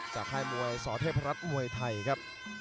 ค่ายมวยสเทพรัฐมวยไทยครับ